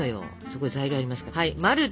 そこに材料がありますから。